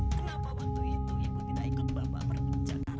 kenapa waktu itu ibu tidak ikut bapak berbicara